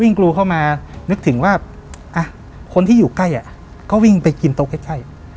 วิ่งกลูเข้ามานึกถึงว่าอ่ะคนที่อยู่ใกล้อ่ะก็วิ่งไปกินโต๊ะใกล้ใกล้